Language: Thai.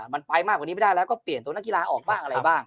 มันไปมากกว่านี้ไม่ได้แล้วก็เปลี่ยนตัวนักกีฬาออกบ้างอะไรบ้าง